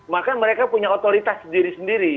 maka mereka punya otoritas sendiri sendiri